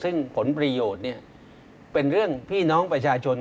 ซึ่งผลประโยชน์เนี่ยเป็นเรื่องพี่น้องประชาชน